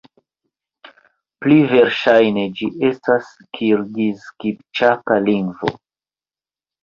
Pli verŝajne, ĝi estas kirgiz-kipĉaka lingvo.